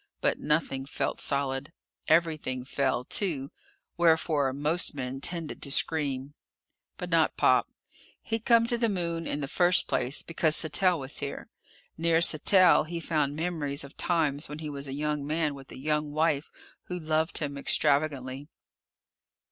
But nothing felt solid. Everything fell, too. Wherefore most men tended to scream. But not Pop. He'd come to the Moon in the first place because Sattell was here. Near Sattell, he found memories of times when he was a young man with a young wife who loved him extravagantly.